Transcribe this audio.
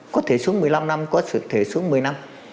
có thể xuống một mươi năm năm có sự thể xuống một mươi năm